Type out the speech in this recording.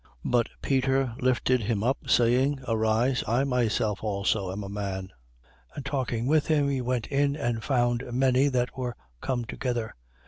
10:26. But Peter lifted him up, saying: Arise: I myself also am a man. 10:27. And talking with him, he went in and found many that were come together.